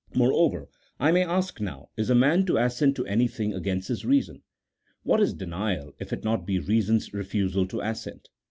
Moreover, I may ask now, is a man to assent to anything against his reason ? What is denial if it be not reason's refusal to assent?